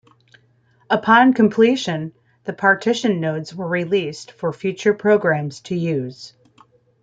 Upon completion, the partition nodes were released for future programs to use.